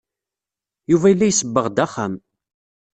Yuba yella isebbeɣ-d axxam.